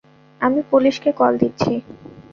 আমি পুলিশকে কল দিচ্ছি।